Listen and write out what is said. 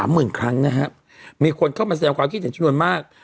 หมื่นครั้งนะฮะมีคนเข้ามาแสดงความคิดเห็นจำนวนมาก